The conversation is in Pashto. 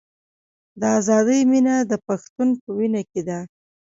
د ازادۍ مینه د پښتون په وینه کې ده.